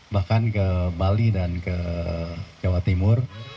bahkan ke bali dan ke jawa timur